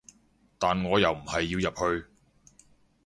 但我又唔係要入去